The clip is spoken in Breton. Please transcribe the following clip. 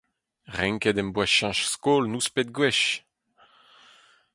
Ranket em boa cheñch skol nouspet gwech.